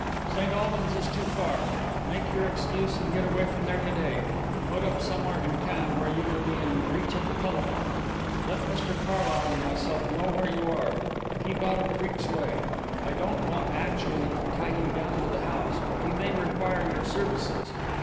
"St Albans is too far. Make your excuse and get away from there to day. Put up somewhere in town, where you will be in reach of the telephone. Let Mr Carlyle and myself know where you are. Keep out of Creake's way. I don't want actually to tie you down to the house, but we may require your services.